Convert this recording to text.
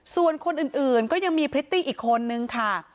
ส่วนคนอื่นก็ยังมีพริตตี้อีกคนนึงค่ะ